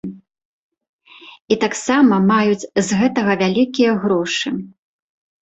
І таксама маюць з гэтага вялікія грошы.